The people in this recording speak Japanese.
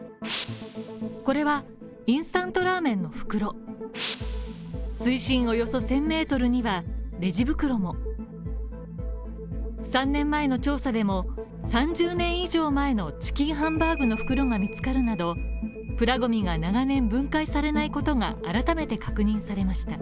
これはインスタントラーメンの袋水深およそ１０００ｍにはレジ袋も３年前の調査でも３０年以上前のチキンハンバーグの袋が見つかるなど、プラゴミが長年分解されないことが改めて確認されました。